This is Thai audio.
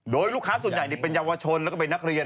โดยลูกค้าส่วนใหญ่เป็นเยาวชนแล้วก็เป็นนักเรียน